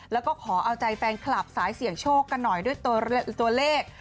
แล้วก็ขอเอาใจแฟนคลับสายเสี่ยงโชคกันหน่อยด้วยตัวเลข